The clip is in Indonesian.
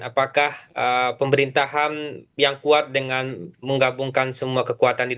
apakah pemerintahan yang kuat dengan menggabungkan semua kekuatan itu